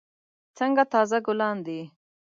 څنګه تازه ګلان دي.